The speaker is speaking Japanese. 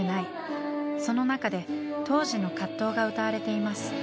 その中で当時の葛藤が歌われています。